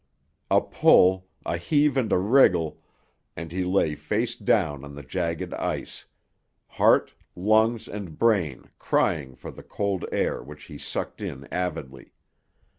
A pull, a heave and a wriggle, and he lay face down on the jagged ice—heart, lungs and brain crying for the cold air which he sucked in avidly.